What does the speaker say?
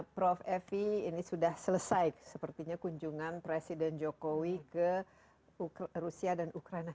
prof evi ini sudah selesai sepertinya kunjungan presiden jokowi ke rusia dan ukraina